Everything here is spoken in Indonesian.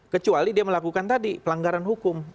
kecuali dia melakukan tadi pelanggaran hukum